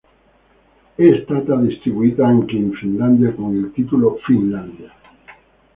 È stata distribuita anche in Finlandia con il titolo "Finlandia".